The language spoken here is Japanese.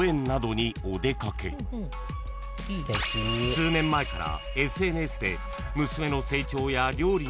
［数年前から］